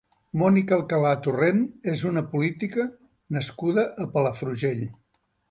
Mònica Alcalà Torrent és una política nascuda a Palafrugell.